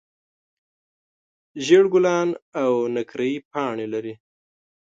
زېړ ګلان او نقریي پاڼې لري.